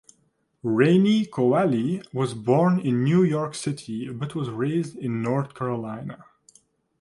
Rainey Qualley was born in New York City but was raised in North Carolina.